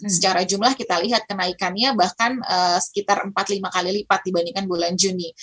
secara jumlah kita lihat kenaikannya bahkan sekitar empat lima kali lipat dibandingkan bulan juni